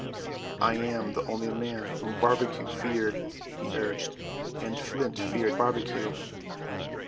"I am the only man whom Barbecue feared," he urged, "and Flint feared Barbecue."